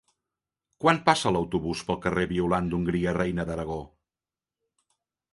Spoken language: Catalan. Quan passa l'autobús pel carrer Violant d'Hongria Reina d'Aragó?